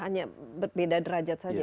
hanya berbeda derajat saja